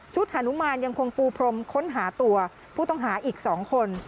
ฮานุมานยังคงปูพรมค้นหาตัวผู้ต้องหาอีก๒คน